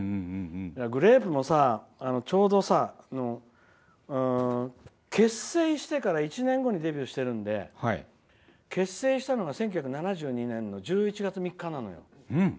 グレープもちょうど結成してから１年後にデビューしているので結成したのが１９７２年の１１月３日なのよ。